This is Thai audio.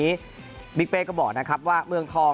สมุทรสอนยังแข็งแรง